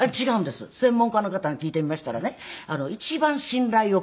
専門家の方に聞いてみましたらね一番信頼を置ける人の名前を